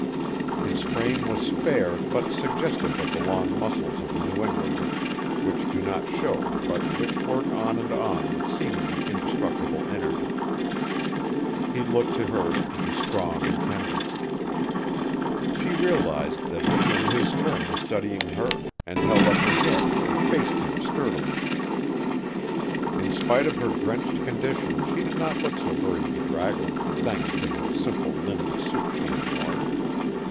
His frame was spare but suggestive of the long muscles of the New Englander which do not show but which work on and on with seemingly indestructible energy. He looked to her to be strong and tender. She realized that he in his turn was studying her, and held up her head and faced him sturdily. In spite of her drenched condition she did not look so very bedraggled, thanks to the simple linen suit she had worn.